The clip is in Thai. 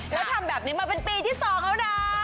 แล้วทำแบบนี้มาเป็นปีที่๒แล้วนะ